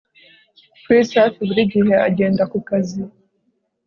Chris hafi buri gihe agenda ku kazi